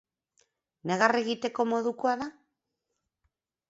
Negar egiteko modukoa da?